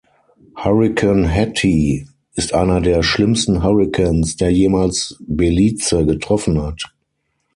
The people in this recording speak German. Hurrikan Hattie ist einer der schlimmsten Hurrikans, der jemals Belize getroffen hat.